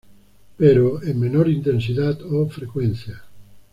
Pero, en menor intensidad o frecuencia.